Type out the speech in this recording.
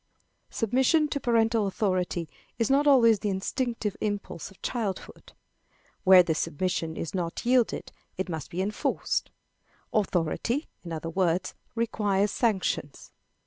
Submission to parental authority is not always the instinctive impulse of childhood. Where this submission is not yielded, it must be enforced. Authority, in other words, requires sanctions.